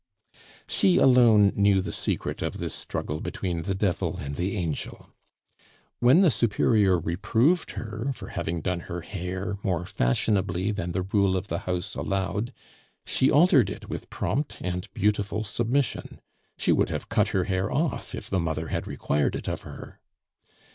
She alone knew the secret of this struggle between the devil and the angel. When the Superior reproved her for having done her hair more fashionably than the rule of the House allowed, she altered it with prompt and beautiful submission; she would have cut her hair off if the Mother had required it of her.